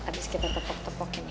abis kita tepok tepokin ya